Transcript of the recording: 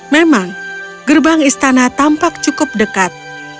memang gerbang istana tampak cukup dekat